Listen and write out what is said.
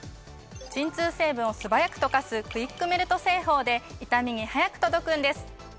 鎮痛成分を素早く溶かすクイックメルト製法で痛みに速く届くんです。